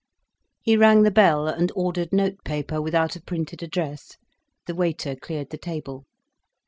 He rang the bell, and ordered note paper without a printed address. The waiter cleared the table.